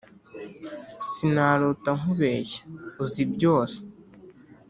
Sinarota nkubeshya uzi byose